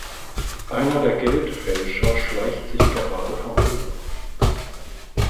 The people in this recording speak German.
Einer der Geldfälscher schleicht sich gerade vom Hof.